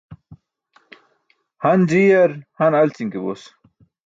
Han ji̇yar han alći̇n ke bos.